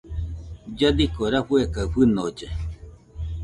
Lladiko rafue kaɨ fɨnolle.